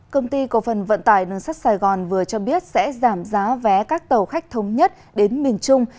công ty cổ phần vận tải nâng sắt sài gòn vừa cho biết sẽ giảm giá vé các tàu khách thống nhất đến miền trung